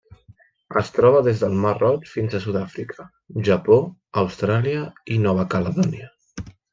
Es troba des del Mar Roig fins a Sud-àfrica, Japó, Austràlia i Nova Caledònia.